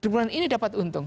di bulan ini dapat untung